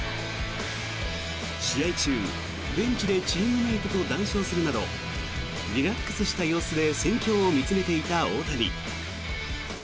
試合中、ベンチでチームメートと談笑するなどリラックスした様子で戦況を見つめていた大谷。